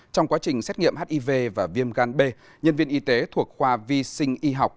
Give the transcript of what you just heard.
trong quá trình xét nghiệm hiv và viêm gan b nhân viên y tế thuộc khoa vi sinh y học